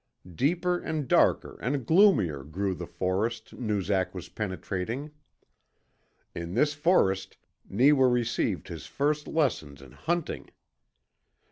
Deeper and darker and gloomier grew the forest Noozak was penetrating. In this forest Neewa received his first lessons in hunting.